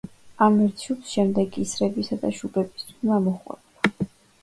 ამ ერთ შუბს შემდეგ ისრებისა და შუბების წვიმა მოჰყვებოდა.